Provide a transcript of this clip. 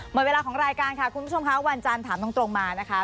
หมดเวลาของรายการค่ะคุณผู้ชมค่ะวันจันทร์ถามตรงมานะคะ